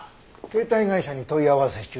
携帯会社に問い合わせ中。